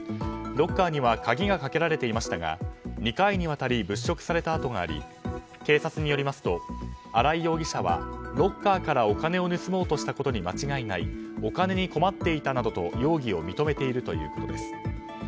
ロッカーには鍵がかけられていましたが２回にわたり物色された跡があり警察によりますと新井容疑者はロッカーからお金を盗もうとしたことに間違いないお金に困っていたなどと容疑を認めているということです。